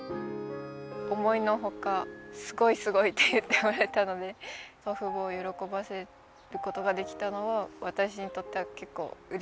思いの外「すごいすごい！」って言ってもらえたので祖父母を喜ばせることができたのは私にとっては結構うれしいことです。